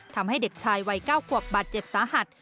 ทำให้เด็กชายวัย๙ขวบบาดเจ็บสาหัส